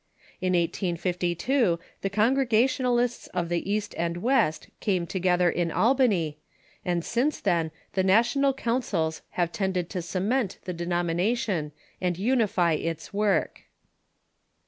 In 1852 the Congregationalists of the East and West came together in Albany, and since then the National Councils have tended to cement the denomination and unify its work.